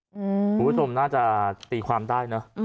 คุณผู้ชมน่าจะตีความได้เนอะ